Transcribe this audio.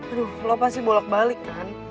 aduh lo pasti bolak balik kan